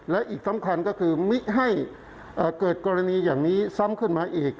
และอีกสำคัญก็คือมิให้เกิดกรณีอย่างนี้ซ้ำขึ้นมาอีก